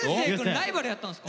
ライバルやったんすか？